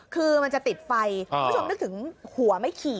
คือมันจะติดไฟคุณผู้ชมนึกถึงหัวไม่ขี่